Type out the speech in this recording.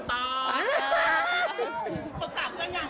โบนตอบ